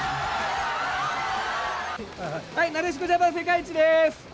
なでしこジャパン世界一です！